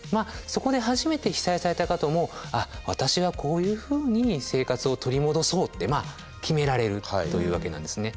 そこで初めて被災された方も「あっ私はこういうふうに生活を取り戻そう」って決められるというわけなんですね。